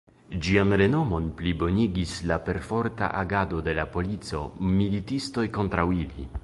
Ĝian renomon plibonigis la perforta agado de la polico, militistoj kontraŭ ili.